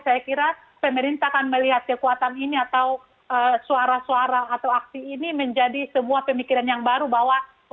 saya kira pemerintah akan melihat kekuatan ini atau suara suara atau aksi ini menjadi sebuah pemikiran yang baru bahwa